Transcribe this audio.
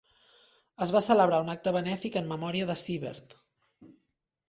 Es va celebrar un acte benèfic en memòria de Siebert.